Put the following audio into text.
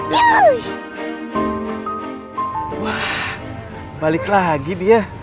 wah balik lagi dia